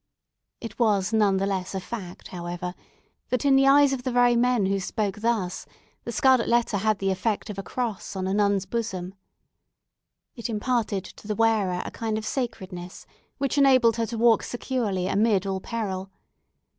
It was none the less a fact, however, that in the eyes of the very men who spoke thus, the scarlet letter had the effect of the cross on a nun's bosom. It imparted to the wearer a kind of sacredness, which enabled her to walk securely amid all peril.